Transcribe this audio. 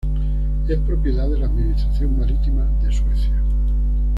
Es propiedad de la Administración Marítima de Suecia.